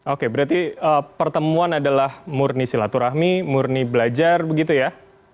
oke berarti pertemuan adalah murni silaturahmi murni belajar begitu ya